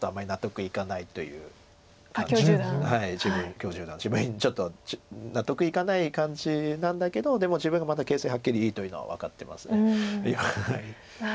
許十段自分にちょっと納得いかない感じなんだけどでも自分がまだ形勢はっきりいいというのは分かってますので。